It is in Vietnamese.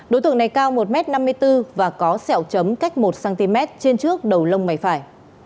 đối tượng này cao một m năm mươi bốn và có sẹo chấm cách một cm trên trước đầu lông mày phải